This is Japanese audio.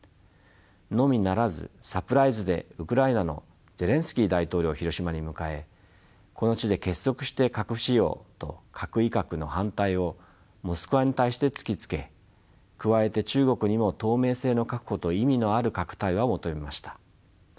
のみならずサプライズでウクライナのゼレンスキー大統領をヒロシマに迎えこの地で結束して核使用と核威嚇の反対をモスクワに対して突きつけ加えて中国にも透明性の確保と意味のある核対話を求めました。